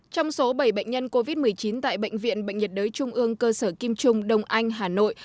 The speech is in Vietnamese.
trong số bảy bệnh nhân covid một mươi chín tại bệnh viện bệnh nhiệt đới trung ương cơ sở kim trung đông anh hà nội